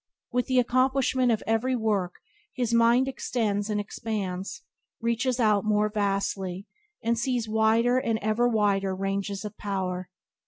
With the accomplishment of every work his mind extends and expands, reaches out more vastly, and sees wider and ever wider ranges of power.